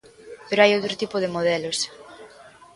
Pero hai outro tipo de modelos.